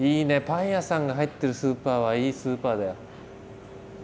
パン屋さんが入ってるスーパーはいいスーパーだよ。